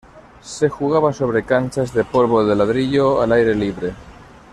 Se jugaba sobre canchas de polvo de ladrillo al aire libre.